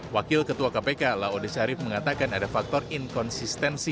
wakil ketua kpk laodis arief mengatakan ada faktor inkonsistensi